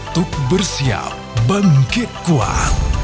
untuk bersiap bangkit kuat